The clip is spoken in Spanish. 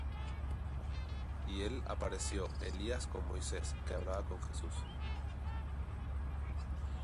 Y les apareció Elías con Moisés, que hablaban con Jesús.